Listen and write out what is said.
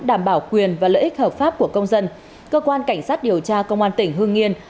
lợi ích hợp pháp của công dân cơ quan cảnh sát điều tra công an tỉnh hương yên